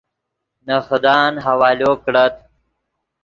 نے خدان حوالو کڑت